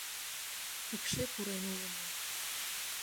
Пыкше пурен улына.